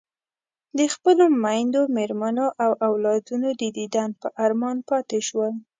د خپلو میندو، مېرمنو او اولادونو د دیدن په ارمان پاتې شول.